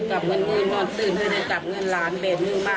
ตอนนี้ก็ไม่มีเวลาให้กลับมาเที่ยวกับเวลา